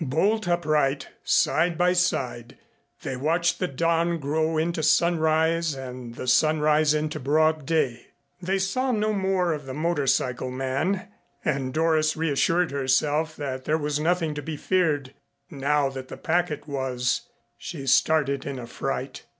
Bolt upright, side by side, they watched the dawn grow into sunrise and the sunrise into broad day. They saw no more of the motor cycle man and Doris reassured herself that there was nothing to be feared now that the packet was She started in affright.